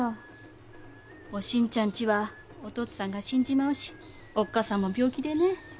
おしんちゃんちはお父っつぁんが死んじまうしおっかさんも病気でね。